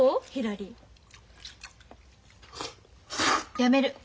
やめる。